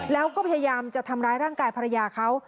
แล้วก็พยายามจะทำร้ายร่างกายภรรยาเขา